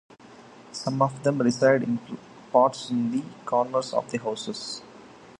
Some of them reside in pots in the corners of the houses.